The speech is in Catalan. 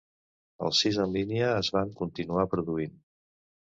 Els sis en línia es va continuar produint.